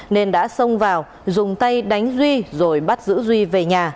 nên đã xông vào dùng tay đánh duy rồi bắt giữ duy về nhà